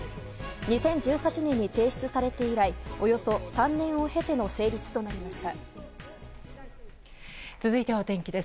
２０１８年に提出されて以来およそ３年を経ての成立となりました。